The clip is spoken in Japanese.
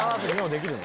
できるな。